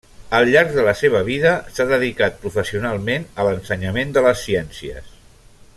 Al llarg de la seva vida, s'ha dedicat professionalment a l'ensenyament de les ciències.